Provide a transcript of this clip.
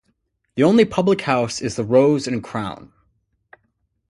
The only public house is the Rose and Crown.